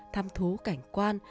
tham thú cảnh quan